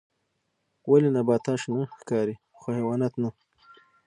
ولې نباتات شنه ښکاري خو حیوانات نه